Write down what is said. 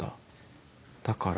だから。